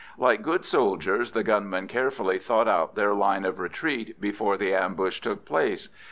Like good soldiers, the gunmen carefully thought out their line of retreat before the ambush took place.